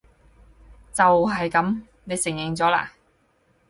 就係噉！你應承咗喇！